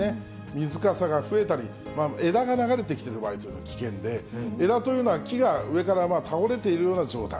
水かさが増えたり、枝が流れてきてる場合というのは危険で、枝というのは、木が上から倒れているような状態。